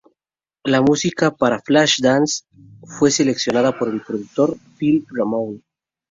La música para "Flashdance" fue seleccionada por el productor Phil Ramone.